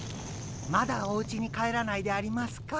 まだおうちに帰らないでありますか？